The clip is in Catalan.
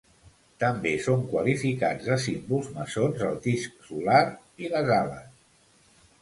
També són qualificats de símbols maçons el disc solar i les ales.